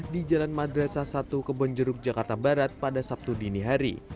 di jalan madrasah satu kebonjeruk jakarta barat pada sabtu dini hari